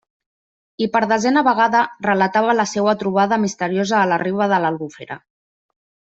I per desena vegada relatava la seua trobada misteriosa a la riba de l'Albufera.